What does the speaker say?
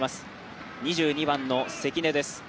２２番の関根です。